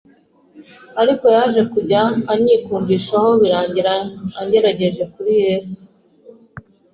ariko yaje kujya anyikundishaho birangira angejeje kuri Yesu